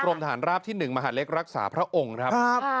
กรมธาณราภว์ที่หนึ่งมหลักรักษาพระองค์นะครับครับ